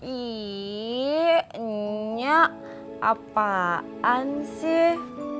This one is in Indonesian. ih enyak apaan sih